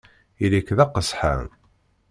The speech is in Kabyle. Ili-k d aqesḥan!